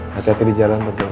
hati hati di jalan penting